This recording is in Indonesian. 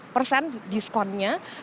tujuh puluh delapan persen diskonnya